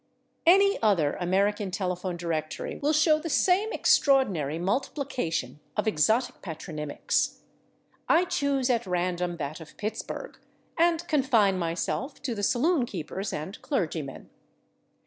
Any other American telephone directory will show the same extraordinary multiplication of exotic patronymics. I choose, at random, that of Pittsburgh, and confine myself to the saloon keepers and clergymen.